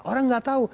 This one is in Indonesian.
orang nggak tahu